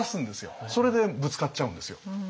それでぶつかっちゃうんですよ。